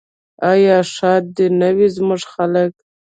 آیا ښاد دې نه وي زموږ خلک؟